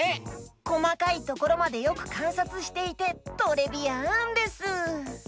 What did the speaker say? こまかいところまでよくかんさつしていてトレビアンです！